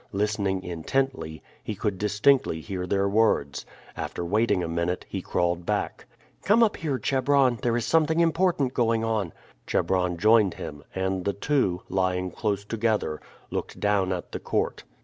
Listening intently he could distinctly hear their words. After waiting a minute he crawled back. "Come up here, Chebron; there is something important going on." Chebron joined him, and the two, lying close together, looked down at the court.